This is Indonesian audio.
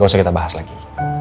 usah kita bahas lagi